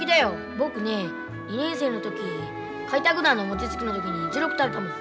僕ね２年生の時開拓団の餅つきの時に１６食べたもん。